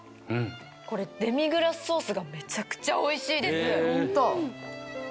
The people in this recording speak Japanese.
これデミグラスソースがめちゃくちゃおいしいです！